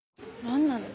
何なの？